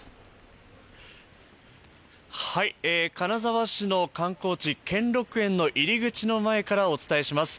金沢市の観光地、兼六園の入り口の前からお伝えします。